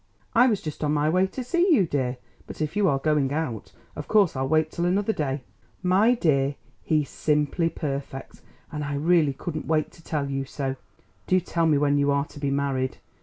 "I was just on my way to see you, dear; but if you are going out, of course I'll wait till another day. My dear, he's simply perfect! and I really couldn't wait to tell you so. Do tell me when you are to be married?